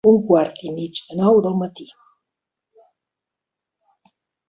Un quart i mig de nou del matí.